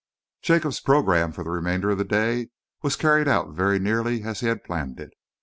Jacob's programme, for the remainder of the day, was carried out very nearly as he had planned it.